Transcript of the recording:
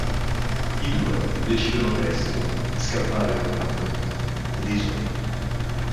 I due decidono presto di scappare con una valigia e dei soldi.